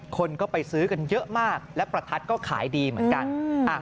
คนก็ไปซื้อกันเยอะมากและประทัดก็ขายดีเหมือนกัน